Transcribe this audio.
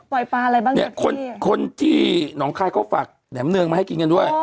ปลาอะไรบ้างเนี่ยคนคนที่หนองคายเขาฝากแหนมเนืองมาให้กินกันด้วย